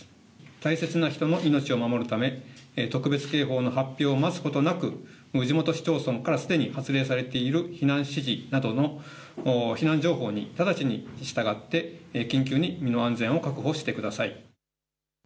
大切な人の命を守るため特別警報の発表を待つことなく地元市町村からすでに発令されている避難指示などの避難情報に直ちに従って緊急に身の安全を確保してください。